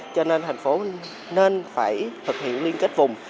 cho nên thành phố nên phải thực hiện liên kết vùng